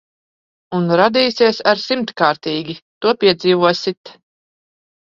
Un radīsies ar simtkārtīgi. To piedzīvosit.